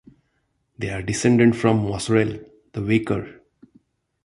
They are descended from Mosrael, the "waker".